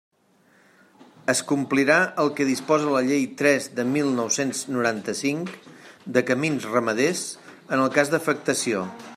Es complirà el que disposa la Llei tres de mil nou-cents noranta-cinc, de camins ramaders, en el cas d'afectació.